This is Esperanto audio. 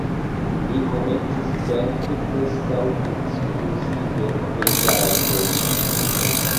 Li komencis pentri preskaŭ ekskluzive pejzaĝojn.